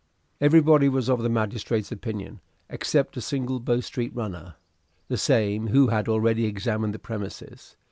Everybody was of the magistrate's opinion, except a single Bow Street runner, the same who had already examined the premises.